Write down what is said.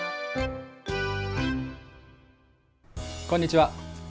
こんにちは。